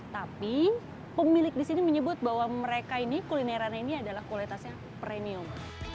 tapi pemilik di sini menyebut bahwa mereka ini kulinerannya ini adalah kualitasnya premium